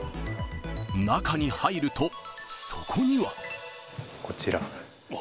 中に入ると、そこには。こちら。